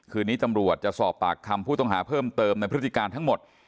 นี้ตำรวจจะสอบปากคำผู้ต้องหาเพิ่มเติมในพฤติการทั้งหมด